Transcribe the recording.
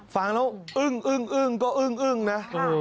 ฟังแล้วอึ้งก็อึ้งนะ